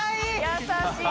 優しい！